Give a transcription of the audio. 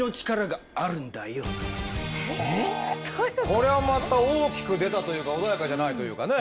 これはまた大きく出たというか穏やかじゃないというかね。